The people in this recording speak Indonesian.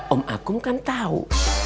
om akum kan tau